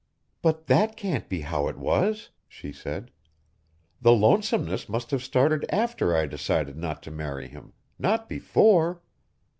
"But that can't be how it was," she said. "The lonesomeness must have started after I decided not to marry him, not before."